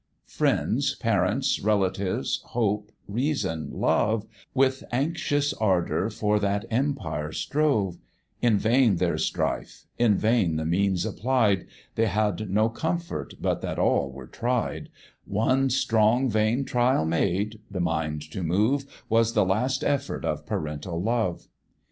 Friends, parents, relatives, hope, reason, love, With anxious ardour for that empire strove; In vain their strife, in vain the means applied, They had no comfort, but that all were tried; One strong vain trial made, the mind to move, Was the last effort of parental love.